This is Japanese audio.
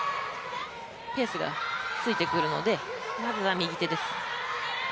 ペースがついてくるのでまずは右手です。